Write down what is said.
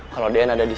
kalau deyan ada di sini